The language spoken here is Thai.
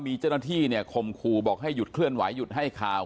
มีเจ้าหน้าที่เนี่ยคมครูบอกให้หยุดเคลื่อนไหวหยุดให้ข่าว